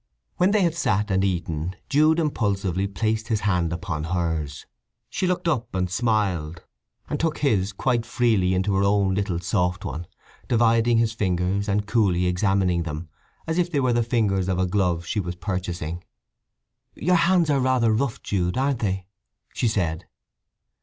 When they had sat and eaten, Jude impulsively placed his hand upon hers; she looked up and smiled, and took his quite freely into her own little soft one, dividing his fingers and coolly examining them, as if they were the fingers of a glove she was purchasing. "Your hands are rather rough, Jude, aren't they?" she said.